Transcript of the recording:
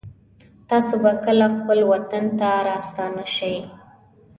تاسو به کله خپل وطن ته راستانه شئ